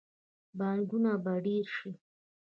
پانګونه به ډیره شي.